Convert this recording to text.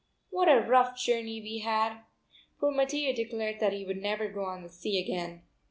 What a rough journey we had! Poor Mattia declared that he would never go on the sea again.